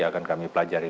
akan kami pelajari